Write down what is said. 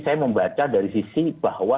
saya membaca dari sisi bahwa